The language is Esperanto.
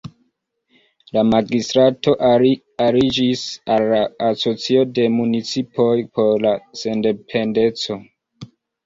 La magistrato aliĝis al la Asocio de Municipoj por la Sendependeco.